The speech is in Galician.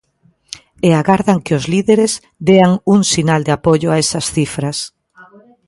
E agardan que os líderes dean un sinal de apoio a esas cifras.